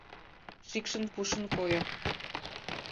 Шикшын пушын койо.